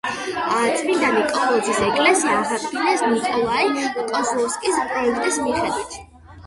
წმინდა ნიკოლოზის ეკლესია აღადგინეს ნიკოლაი კოზლოვსკის პროექტის მიხედვით.